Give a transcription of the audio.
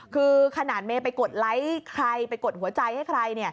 คือขนาดเมย์ไปกดไลค์ใครไปกดหัวใจให้ใคร